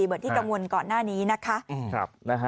เหมือนที่กังวลก่อนหน้านี้นะคะ